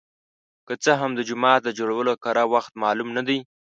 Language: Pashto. که څه هم د جومات د جوړولو کره وخت معلوم نه دی.